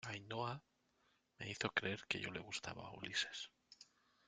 Ainhoa, me hizo creer que yo le gustaba a Ulises.